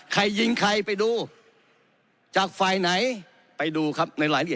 ใครยิงใครไปดูจากฝ่ายไหนไปดูครับ